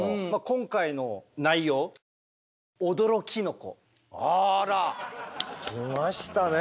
今回の内容あら！来ましたね。